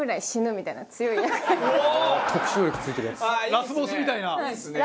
ラスボスみたいな。